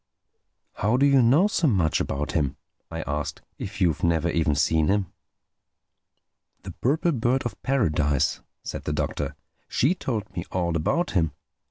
"How do you know so much about him?" I asked—"if you've never even seen him?" "The Purple Bird of Paradise," said the Doctor—"she told me all about him.